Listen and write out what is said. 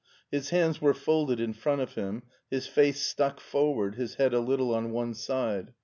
His hands were folded in front of him, his face stuck forward, his head a little on one side.